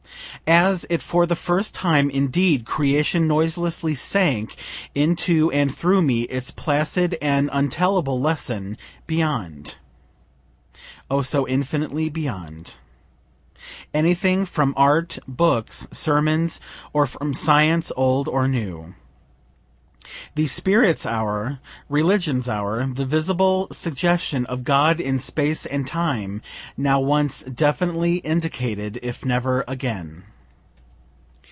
As if for the first time, indeed, creation noiselessly sank into and through me its placid and untellable lesson, beyond O, so infinitely beyond! anything from art, books, sermons, or from science, old or new. The spirit's hour religion's hour the visible suggestion of God in space and time now once definitely indicated, if never again.